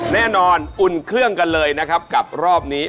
แน่นอนอุ่นเครื่องกันเลยนะครับกับรอบนี้